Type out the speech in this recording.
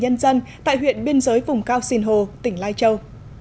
nhân dân tại huyện biên giới vùng cao sinh hồ tỉnh lai châu